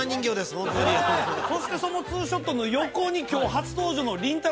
ホントにそしてそのツーショットの横に今日初登場のりんたろー。